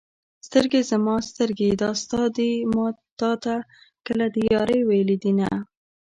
سترګې زما سترګې دا ستا دي ما تا ته کله د يارۍ ویلي دینه